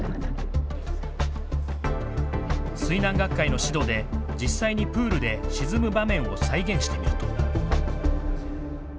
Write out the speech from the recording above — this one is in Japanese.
水難学会の指導で実際にプールで沈む場面を再現してみると。